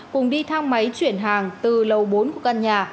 cùng đi thang máy chuyển hàng từ lầu bốn của căn nhà